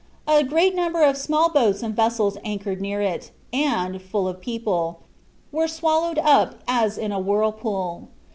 A great number of small boats and vessels anchored near it, and, full of people, were swallowed up as in a whirlpool.